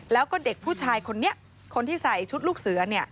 แล้วก็เด็กผู้ชายคนนี้คนที่ใส่ชุดลูกเสือ